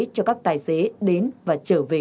cho các tài xế đến và trở về